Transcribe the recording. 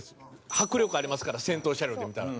迫力ありますから先頭車両で見たら。